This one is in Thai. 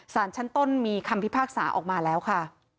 สารชั้นต้นมีคำพิพากษาออกมาแล้วค่ะ